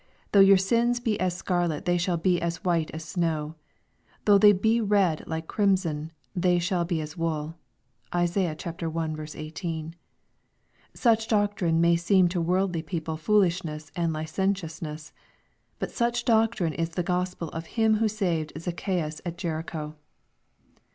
Though your sins be as scarlet they shall be as white as snow ; though they be red like crimson they shall be as wool." (Isai. i. 18.) Such doctrine may seem to worldly people foolishness and licentiousness. But such doctrine is the Gospel of Him who saved Zacchaaus at Jericho.